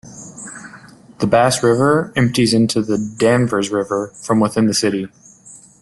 The Bass River empties into the Danvers River from within the city.